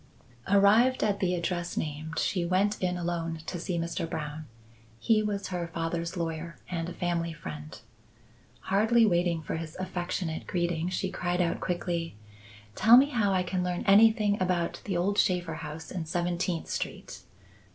Arrived at the address named, she went in alone to see Mr. Brown. He was her father's lawyer and a family friend. Hardly waiting for his affectionate greeting, she cried out quickly. "Tell me how I can learn anything about the old Shaffer house in Seventeenth Street.